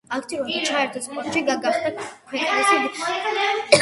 აქტიურად ჩაერთო სპორტში და გახდა ქვეყნის ვიცე-ჩემპიონი კარატეში.